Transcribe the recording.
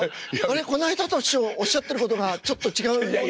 この間と師匠おっしゃってることがちょっと違う。